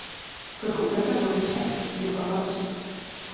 Крыху працягваў пісаць, друкавацца.